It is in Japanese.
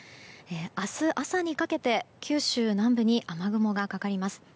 明日朝にかけて九州南部に雨雲がかかります。